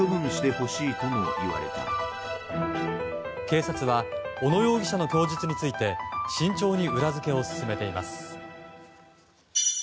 警察は小野容疑者の供述について慎重に裏付けを進めています。